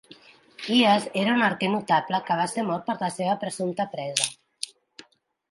Hyas era un arquer notable que va ser mort per la seva presumpta presa.